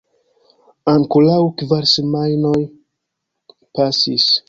Ankoraŭ kvar semajnoj pasis.